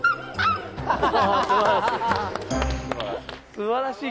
素晴らしい。